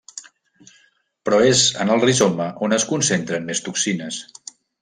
Però és en el rizoma on es concentren més toxines.